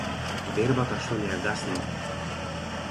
Вербата што ни ја гаснат.